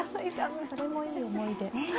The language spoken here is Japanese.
それもいい思い出。